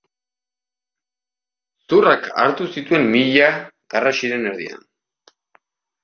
Zurrak hartu zituen mila garrasiren erdian.